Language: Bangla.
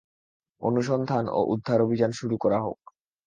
অনুসন্ধান ও উদ্ধার অভিযান শুরু করা হোক।